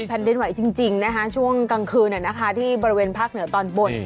แผ่นดินไหวจริงนะคะช่วงกลางคืนที่บริเวณภาคเหนือตอนบน